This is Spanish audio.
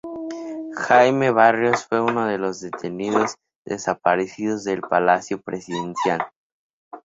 Jaime Barrios fue uno de los detenidos desaparecidos del Palacio Presidencial.